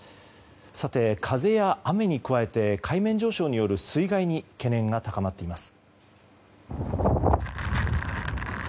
さて、風や雨に加えて海面上昇による水害に懸念が高まっています。